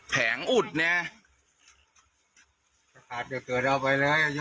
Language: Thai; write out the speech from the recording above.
แผงอุดเนี่ย